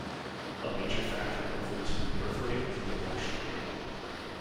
A major factor influencing the birthrate was the abortion rate.